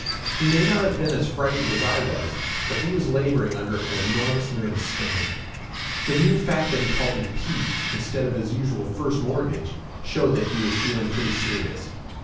He may not have been as frightened as I was but he was laboring under an enormous nervous strain. The mere fact that he called me "Pete" instead of his usual "First Mortgage" showed that he was feeling pretty serious.